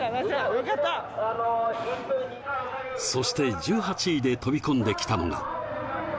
そして１８位で飛び込んできたのが。